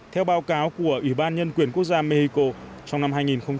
theo báo cáo của ủy ban nhân quyền quốc gia mexico trong năm hai nghìn một mươi chín